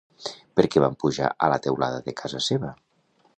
Per què van pujar a la teulada de casa seva?